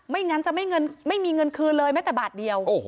งั้นจะไม่มีเงินคืนเลยแม้แต่บาทเดียว